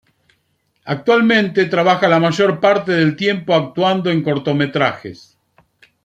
Actualmente trabaja la mayor parte del tiempo actuando en cortometrajes.